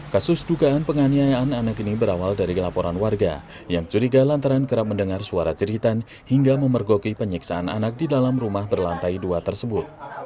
kasus dugaan penganiayaan anak ini berawal dari laporan warga yang curiga lantaran kerap mendengar suara jeritan hingga memergoki penyiksaan anak di dalam rumah berlantai dua tersebut